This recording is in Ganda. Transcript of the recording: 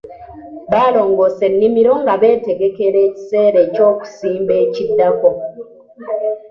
Balongoosa ennimiro nga beetegekera ekiseera eky'okusimba ekiddako.